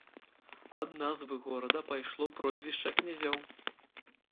Ад назвы горада пайшло прозвішча князёў.